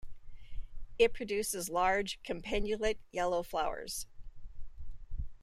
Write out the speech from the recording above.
It produces large, campanulate, yellow flowers.